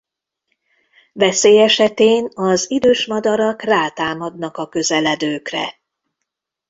Veszély esetén az idős madarak rátámadnak a közeledőkre.